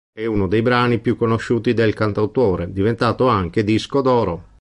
È uno dei brani più conosciuti del cantautore, diventato anche disco d'oro.